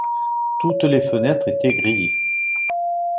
Toutes les fenêtres étaient grillées.